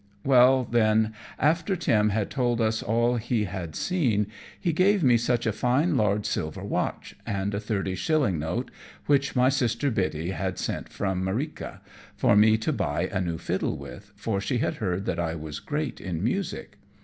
Well, then, after Tim had told us all he had seen, he gave me such a fine large silver watch, and a thirty shilling note, which my sister, Biddy, had sent from Merica, for me to buy a new fiddle with, for she had heard that I was great in music.